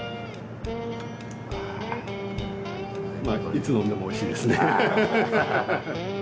いつ飲んでもおいしいですね。